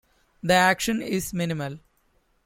The action is minimal.